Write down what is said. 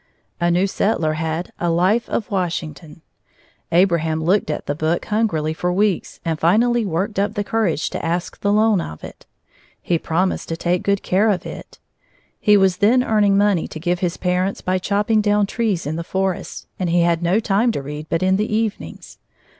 A new settler had a Life of Washington. Abraham looked at the book hungrily for weeks and finally worked up courage to ask the loan of it. He promised to take good care of it. He was then earning money to give his parents by chopping down trees in the forests, and he had no time to read but in the evenings.